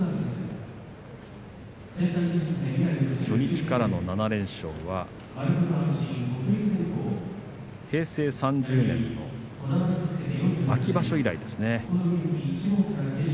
初日からの７連勝は平成３０年の秋場所以来です。